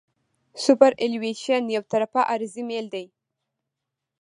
سوپرایلیویشن یو طرفه عرضي میل دی